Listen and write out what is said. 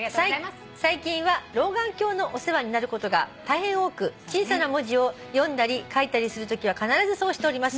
「最近は老眼鏡のお世話になることが大変多く小さな文字を読んだり書いたりするときは必ずそうしております」